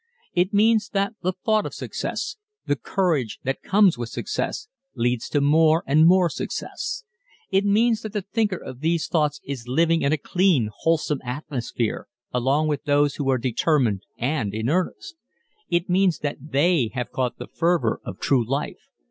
It means that the thought of success, the courage that comes with success, leads to more and more success. It means that the thinker of these thoughts is living in a clean, wholesome atmosphere along with those who are determined and in earnest. It means that they have caught the fervor of true life